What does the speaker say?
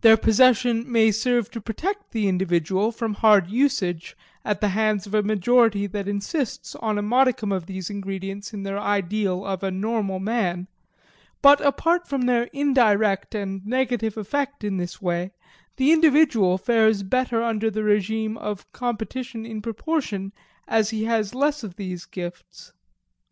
Their possession may serve to protect the individual from hard usage at the hands of a majority that insists on a modicum of these ingredients in their ideal of a normal man; but apart from their indirect and negative effect in this way, the individual fares better under the regime of competition in proportion as he has less of these gifts.